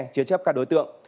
chế chấp các đối tượng